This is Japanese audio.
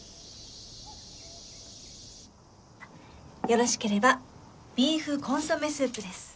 よろしければビーフコンソメスープです。